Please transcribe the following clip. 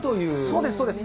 そうです、そうです。